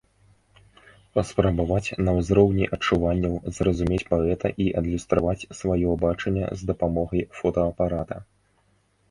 Паспрабаваць на ўзроўні адчуванняў зразумець паэта і адлюстраваць сваё бачанне з дапамогай фотаапарата.